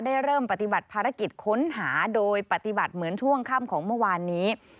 เริ่มปฏิบัติภารกิจค้นหาโดยปฏิบัติเหมือนช่วงค่ำของเมื่อวานนี้